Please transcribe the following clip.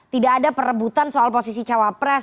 tidak ada perebutan soal posisi cawapres